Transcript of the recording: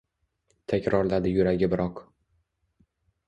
Takrorladi yuragi biroq